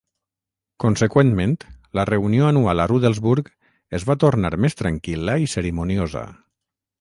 Conseqüentment, la reunió anual a Rudelsburg es va tornar més tranquil·la i cerimoniosa.